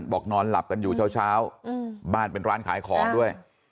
นอนหลับกันอยู่เช้าบ้านเป็นร้านขายของด้วย